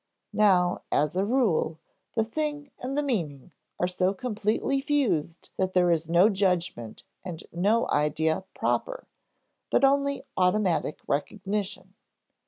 Now, as a rule, the thing and the meaning are so completely fused that there is no judgment and no idea proper, but only automatic recognition.